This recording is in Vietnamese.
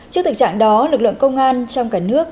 trước thực trạng đó lực lượng công an trong cả nước